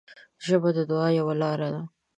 ژبه د دعا یوه لاره ده